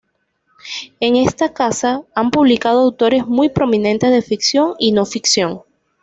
En esta casa han publicado autores muy prominentes de ficción y no ficción.